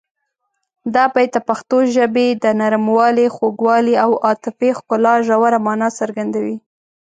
دا بیت د پښتو ژبې د نرموالي، خوږوالي او عاطفي ښکلا ژوره مانا څرګندوي.